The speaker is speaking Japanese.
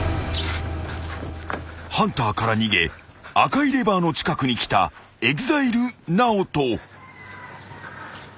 ［ハンターから逃げ赤いレバーの近くに来たＥＸＩＬＥＮＡＯＴＯ］